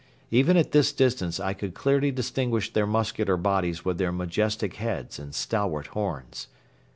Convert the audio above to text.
Even at this distance I could clearly distinguish their muscular bodies with their majestic heads and stalwart horns.